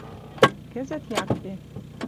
Кӹзӹт якте